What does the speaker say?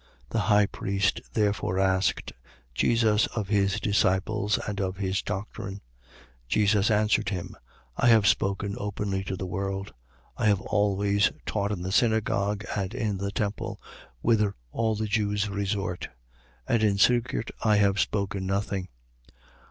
18:19. The high priest therefore asked Jesus of his disciples and of his doctrine. 18:20. Jesus answered him: I have spoken openly to the world. I have always taught in the synagogue and in the temple, whither all the Jews resort: and in secret I have spoken nothing.